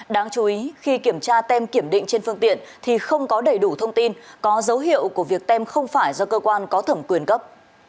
đáng chú ý khi kiểm tra tem kiểm định trên phương tiện thì không có đầy đủ thông tin có dấu hiệu của việc tem không phải do cơ quan có thẩm quyền cấp